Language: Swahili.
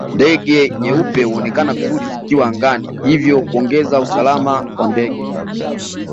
Ndege nyeupe huonekana vizuri zikiwa angani hivyo kuongeza usalama wa ndege